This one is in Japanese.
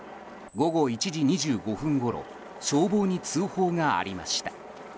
午後１時２５分ごろ消防に通報がありました。